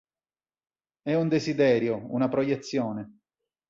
È un desiderio, una proiezione.